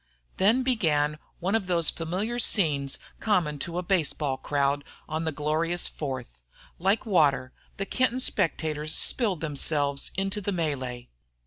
Then began one of those familiar scenes common to a baseball crowd on the glorious Fourth. Like water the Kenton spectators spilled themselves into the melee.